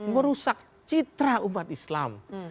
merusak citra umat islam